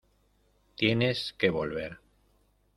Tienes que volver.